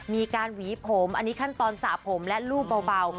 หวีผมอันนี้ขั้นตอนสระผมและรูปเบา